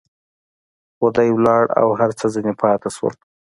خو دى ولاړ او هر څه ځنې پاته سول.